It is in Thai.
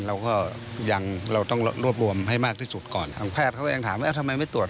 เราก็ยังเราต้องรวบรวมให้มากที่สุดก่อนทางแพทย์เขาเองถามว่าทำไมไม่ตรวจ